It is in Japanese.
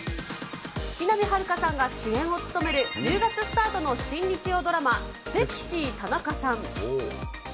木南晴夏さんが主演を務める、１０月スタートの新日曜ドラマ、セクシー田中さん。